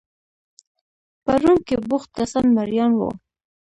په روم کې بوخت کسان مریان وو.